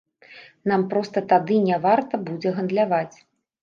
Нам проста тады няварта будзе гандляваць.